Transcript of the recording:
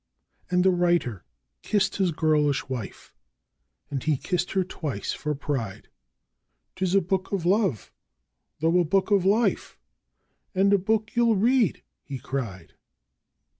And the writer kissed his girlish wife, and he kissed her twice for pride: ''Tis a book of love, though a book of life! and a book you'll read!' he cried.